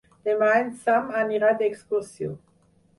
Demà en Sam anirà d'excursió.